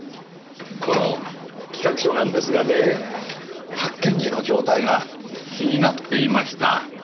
この企画書なんですがね発見時の状態が気になっていました。